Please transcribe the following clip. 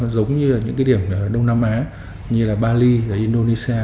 giống như những điểm đông nam á như bali indonesia